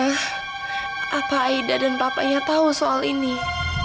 mama yang udah membuat meninggal ibunya aida